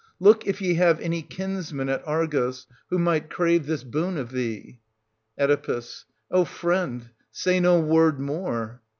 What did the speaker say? Look if ye have any kinsman at Argos, who might crave this boon of thee. Oe. O friend ! Say no word more